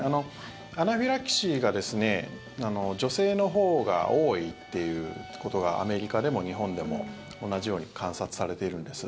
アナフィラキシーが女性のほうが多いということがアメリカでも日本でも同じように観察されてるんです。